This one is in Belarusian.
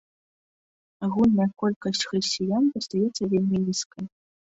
Агульная колькасць хрысціян застаецца вельмі нізкай.